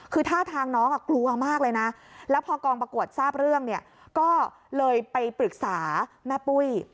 คือท่าทางน้องกลัวมากเลยนะแล้วพอกองประกวดทราบเรื่องเนี่ยก็เลยไปปรึกษาแม่ปุ้ย